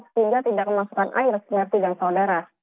sehingga tidak memasukkan air seperti yang saudara